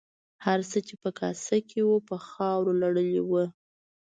هر څه چې په کاسه کې وو په خاورو لړلي وو.